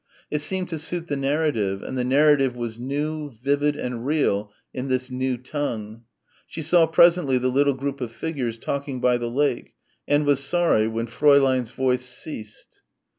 It seemed to suit the narrative and the narrative was new, vivid and real in this new tongue. She saw presently the little group of figures talking by the lake and was sorry when Fräulein's voice ceased.